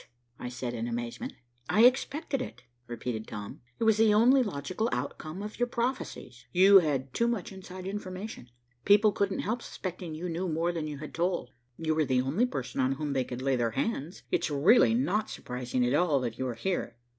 I said in amazement. "I expected it," repeated Tom. "It was the only logical outcome of your prophecies. You had too much inside information. People couldn't help suspecting you knew more than you had told. You were the only person on whom they could lay their hands. It's really not surprising at all that you are here.